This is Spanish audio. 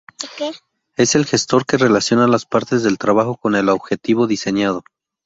Es el gestor que relaciona las partes del trabajo con el objetivo diseñado.